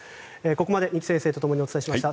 ここまで二木先生とともにお伝えしました。